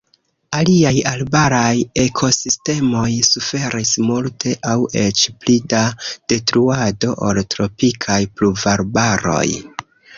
Aliaj arbaraj ekosistemoj suferis multe aŭ eĉ pli da detruado ol tropikaj pluvarbaroj.